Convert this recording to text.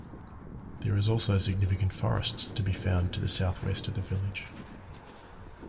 There is also significant forests' to be found to the southwest of the village.